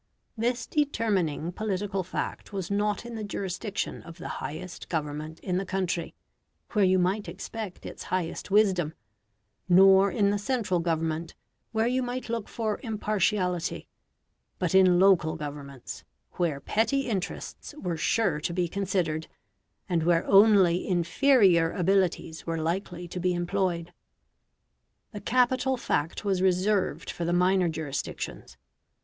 This determining political fact was not in the jurisdiction of the highest Government in the country, where you might expect its highest wisdom, nor in the central Government, where you might look for impartiality, but in local governments, where petty interests were sure to be considered, and where only inferior abilities were likely to be employed. The capital fact was reserved for the minor jurisdictions.